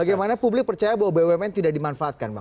bagaimana publik percaya bahwa bumn tidak dimanfaatkan bang